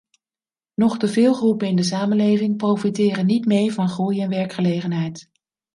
Nog te veel groepen in de samenleving profiteren niet mee van groei en werkgelegenheid.